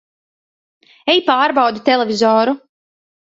Ej pārbaudi televizoru!